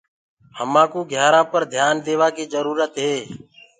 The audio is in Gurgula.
همآ ڪوُ گھيآرآنٚ پر ڌيآن ديوآ ڪي جروُرت هي۔